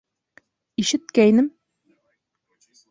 Ишеткәйнем.